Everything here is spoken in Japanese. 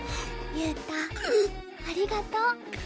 憂太ありがとう。